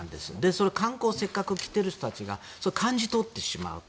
それは観光にせっかく来ている人たちが感じ取ってしまうと。